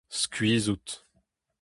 Skuizh out.